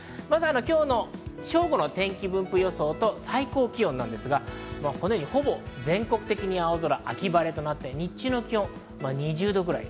今日の正午の天気分布予想と最高気温ですが、ほぼ全国的に秋晴れとなって日中の気温、２０度くらい。